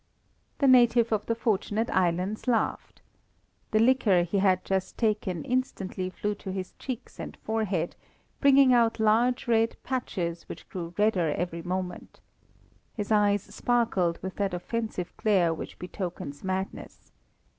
The native of the Fortunate Islands laughed. The liquor he had just taken instantly flew to his cheeks and forehead, bringing out large red patches which grew redder every moment. His eyes sparkled with that offensive glare which betokens madness.